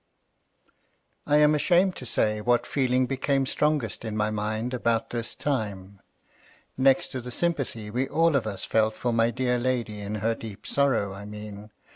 I AM ashamed to say what feeling become strongest in my mind about this time. Next to the sympathy we all of us felt for my dear lady in her deep sorrow, I mean.